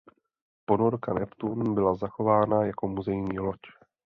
Ponorka "Neptun" byla zachována jako muzejní loď.